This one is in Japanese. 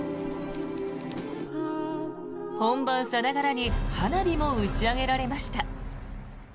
本番さながらに花火も打ち上げられました。